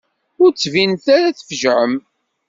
Ur d-ttbinet ara tfejεem.